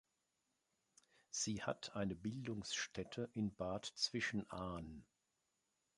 Sie hat eine Bildungsstätte in Bad Zwischenahn.